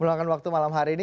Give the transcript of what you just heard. meluangkan waktu malam hari ini